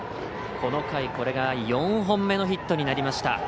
この回、これが４本目のヒットになりました。